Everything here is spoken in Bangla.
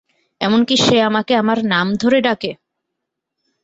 এমনকি সে আমাকে আমার নাম ধরে ডাকে!